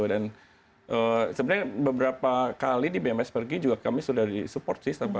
dan sebenarnya beberapa kali di bms pergi juga kami sudah disupport sih